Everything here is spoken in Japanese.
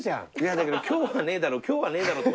だけど「今日はねえだろ今日はねえだろ」って。